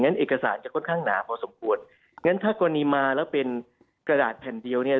เอกสารจะค่อนข้างหนาพอสมควรงั้นถ้ากรณีมาแล้วเป็นกระดาษแผ่นเดียวเนี่ย